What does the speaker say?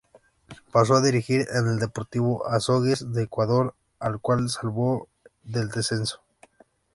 Pasó a dirigir en al Deportivo Azogues de Ecuador, al cual salvó del descenso.